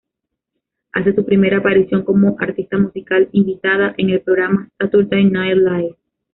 Hace su primera aparición como artista musical invitada en el programa "Saturday Night Live".